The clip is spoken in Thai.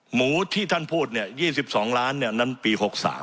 หมูที่ท่านพูด๒๒ล้านนั้นปี๖๓